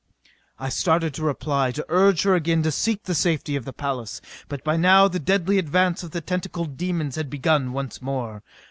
I started to reply, to urge her again to seek the safety of the palace. But by now the deadly advance of the tentacled demons had begun once more.